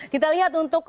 kita lihat untuk